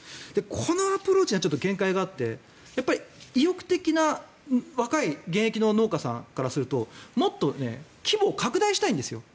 このアプローチがちょっと限界があって意欲的な若い現役の農家さんからするともっと規模を拡大したいんですよ。